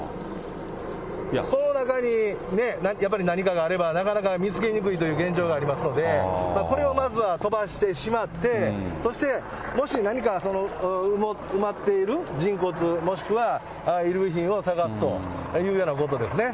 この中にやっぱり何かがあれば、なかなか見つけにくいという現状がありますので、これをまずは飛ばしてしまって、そしてもし何か、埋まっている人骨、もしくは衣類品を捜すというようなことですね。